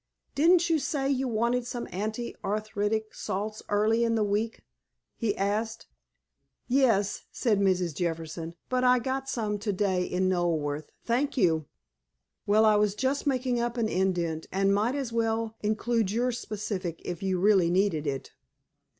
"Didn't you say you wanted some anti arthritic salts early in the week?" he asked. "Yes," said Mrs. Jefferson, "but I got some to day in Knoleworth, thank you." "Well, I was just making up an indent, and might as well include your specific if you really needed it."